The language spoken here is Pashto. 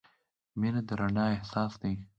• مینه د رڼا احساس دی.